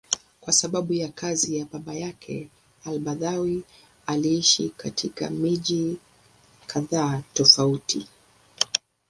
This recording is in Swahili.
Kwa sababu ya kazi ya baba yake, al-Badawi aliishi katika miji kadhaa tofauti.